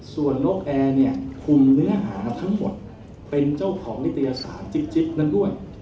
ส่วนนกแอร์เนี่ยคุมเนื้อหาทั้งหมดเป็นเจ้าของนิตยสารจิ๊บนั้นด้วย